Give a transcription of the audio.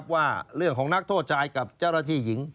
ว่าเรื่องของนักโทษชายกับเจ้าหน้าที่หญิง